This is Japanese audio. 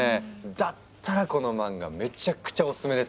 だったらこの漫画めっちゃくちゃお薦めですよ。